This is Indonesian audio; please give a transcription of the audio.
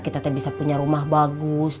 kita bisa punya rumah bagus